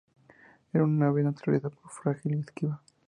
Era un ave de naturaleza muy frágil y esquiva.